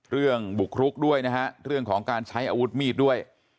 บุกรุกด้วยนะฮะเรื่องของการใช้อาวุธมีดด้วย